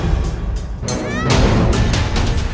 mita takut sendirian nek